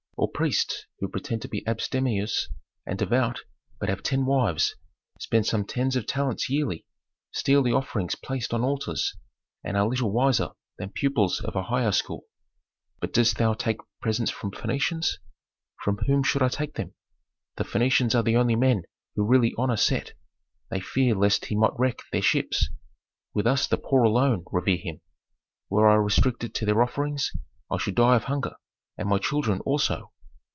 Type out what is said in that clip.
Or priests who pretend to be abstemious and devout, but have ten wives, spend some tens of talents yearly, steal the offerings placed on altars, and are little wiser than pupils of a higher school." "But dost thou take presents from Phœnicians?" "From whom should I take them? The Phœnicians are the only men who really honor Set; they fear lest he might wreck their ships. With us the poor alone revere him. Were I restricted to their offerings I should die of hunger, and my children also."